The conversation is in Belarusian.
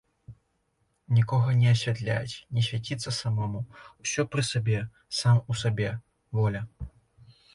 Нікога не асвятляць, не свяціцца самому, усё пры сабе, сам у сабе, воля.